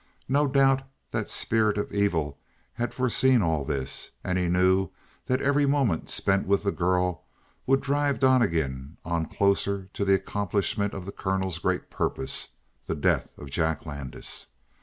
No doubt that spirit of evil had foreseen all this; and he knew that every moment spent with the girl would drive Donnegan on closer to the accomplishment of the colonel's great purpose the death of Jack Landis.